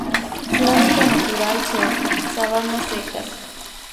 Su hábitat natural son: sabanas secas